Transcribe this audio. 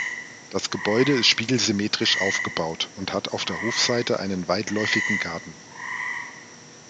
Das Gebäude ist spiegelsymmetrisch aufgebaut und hat auf der Hofseite einen weitläufigen Garten.